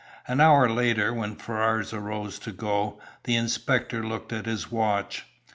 An hour later, when Ferrars arose to go, the inspector looked at his watch.